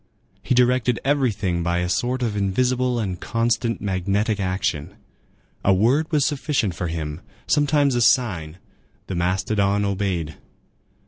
He directed everything by a sort of invisible and constant magnetic action. A word was sufficient for him, sometimes a sign; the mastodon obeyed.